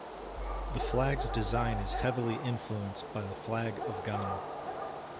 The flag's design is heavily influenced by the flag of Ghana.